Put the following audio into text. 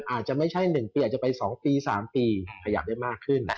อาจจะไม่ใช่๑ปีอาจจะไป๒ปี๓ปีขยับได้มากขึ้น